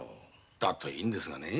だといいんですがねぇ。